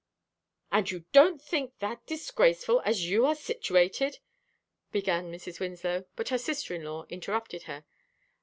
"And you don't think that disgraceful, as you are situated?" began Mrs. Winslow, but her sister in law interrupted her.